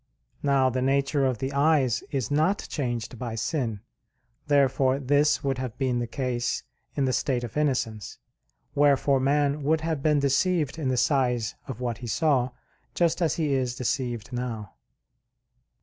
Now, the nature of the eyes is not changed by sin. Therefore this would have been the case in the state of innocence. Wherefore man would have been deceived in the size of what he saw, just as he is deceived now.